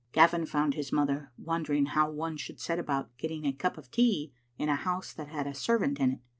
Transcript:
Gavin found his mother wondering how one should set about getting a cup of tea in a house that had a servant in it.